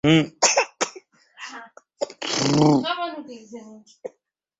প্রতাপাদিত্য খ্রিস্টানদের গির্জা নির্মাণে অর্থ সহায়তা প্রদান করেন।